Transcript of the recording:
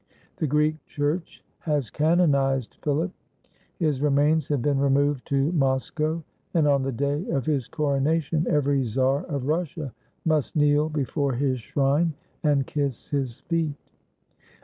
The Greek Church has canonized Philip. His remains have been removed to Moscow; and on the day of his coronation every czar of Russia must kneel before his shrine, and kiss his feet.